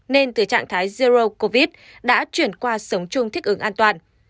nên từ trạng thái zero covid đã chuyển qua sống chung thích ứng an toàn